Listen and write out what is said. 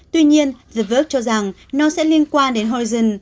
tuy nhiên the work cho rằng nó sẽ liên quan đến horizon